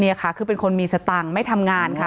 นี่ค่ะคือเป็นคนมีสตังค์ไม่ทำงานค่ะ